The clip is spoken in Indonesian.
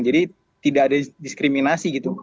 jadi tidak ada diskriminasi gitu